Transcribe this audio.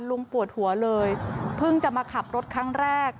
ปวดหัวเลยเพิ่งจะมาขับรถครั้งแรก